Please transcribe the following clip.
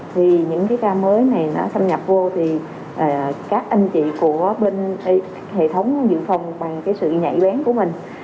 thì những ca mới này xâm nhập vô thì các anh chị của bên hệ thống dự phòng bằng sự nhảy bén của mình